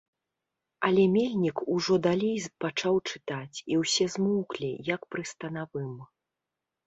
Але мельнік ужо далей пачаў чытаць, і ўсе змоўклі, як пры станавым.